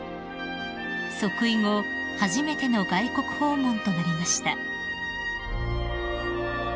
［即位後初めての外国訪問となりました］